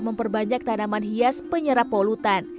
memperbanyak tanaman hias penyerap polutan